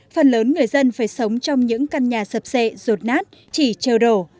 phần lớn người dân phải sống trong những căn nhà sập xe rột nát chỉ trêu đổ